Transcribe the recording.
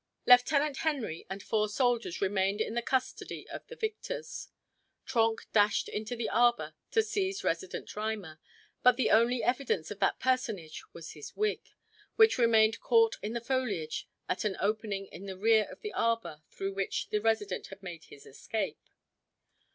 Lieutenant Henry and four soldiers remained in the custody of the victors. Trenck dashed into the arbor to seize Resident Reimer, but the only evidence of that personage was his wig, which remained caught in the foliage at an opening in the rear of the arbor through which the resident had made his escape.